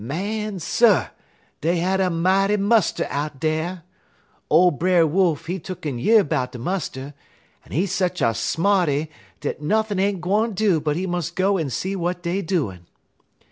Man Sir! dey had a mighty muster out dar. Ole Brer Wolf, he tuck'n year 'bout de muster, en he sech a smarty dat nothin' ain't gwine do but he mus' go en see w'at dey doin'.